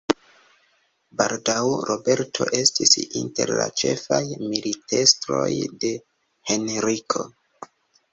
Baldaŭ Roberto estis inter la ĉefaj militestroj de Henriko.